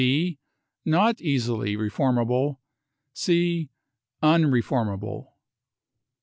r> B. Not easily reformable. G. Unreformable.